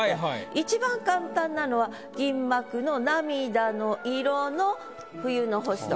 いちばん簡単なのは「銀幕の涙の色の冬の星」と。